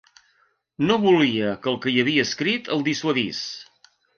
No volia que el que hi havia escrit el dissuadís.